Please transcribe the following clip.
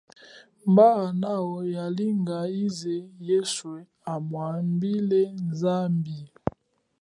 Mba noa yalinga yize yeswe amwambile zambi.